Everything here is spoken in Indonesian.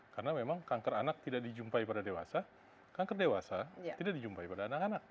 karena memang kanker anak tidak dijumpai pada dewasa kanker dewasa tidak dijumpai pada anak anak